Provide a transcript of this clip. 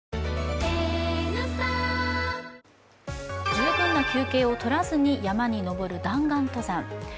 十分な休憩を取らずに山に登る弾丸登山。